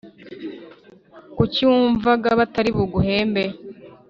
kuki wumvaga batari buguhembe